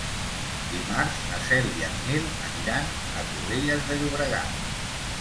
Dimarts na Cel i en Nil aniran a Torrelles de Llobregat.